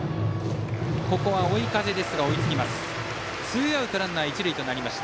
ここは追い風ですが追いつきます。